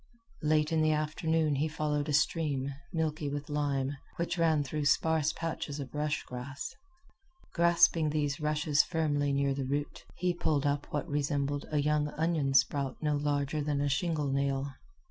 Late in the afternoon he followed a stream, milky with lime, which ran through sparse patches of rush grass. Grasping these rushes firmly near the root, he pulled up what resembled a young onion sprout no larger than a shingle nail.